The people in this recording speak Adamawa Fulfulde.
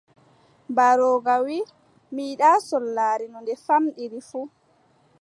Mbarooga wii: mi yiɗaa sollaare no nde famɗiri fuu!».